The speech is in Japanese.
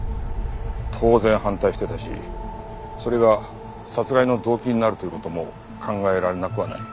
当然反対してたしそれが殺害の動機になるという事も考えられなくはない。